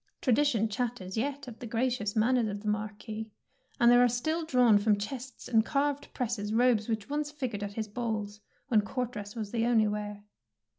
Tradition chatters yet of the gra cious manners of the Marquis, and there are still drawn from chests and carved presses robes which once fig ured at his balls, when court dress was the only wear.